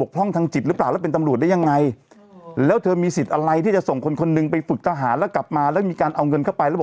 บกพร่องทางจิตหรือเปล่าแล้วเป็นตำรวจได้ยังไงแล้วเธอมีสิทธิ์อะไรที่จะส่งคนคนหนึ่งไปฝึกทหารแล้วกลับมาแล้วมีการเอาเงินเข้าไปแล้วบอก